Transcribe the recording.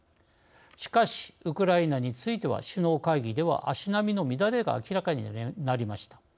しかし、ウクライナについては首脳会議では足並みの乱れが明らかになりました。